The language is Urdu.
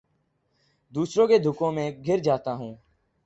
دوسروں کے دکھوں میں گھر جاتا ہوں